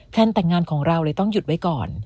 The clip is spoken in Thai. แต่งงานของเราเลยต้องหยุดไว้ก่อน